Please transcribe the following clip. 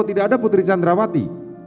atau putri chandrawati